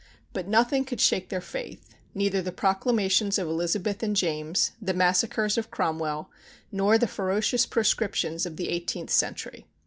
But nothing could shake their faith; neither the proclamations of Elizabeth and James, the massacres of Cromwell, nor the ferocious proscriptions of the eighteenth century.